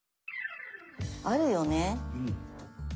あるよね。